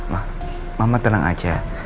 ma mama tenang aja